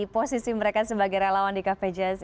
posisi mereka sebagai relawan di kpjs